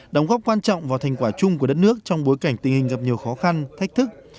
đóng góp quan trọng vào thành quả chung của đất nước trong bối cảnh tình hình gặp nhiều khó khăn thách thức